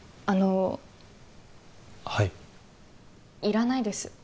あのはいいらないです